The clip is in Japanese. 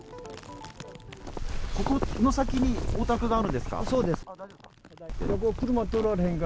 ここの先にお宅があるんですそうです。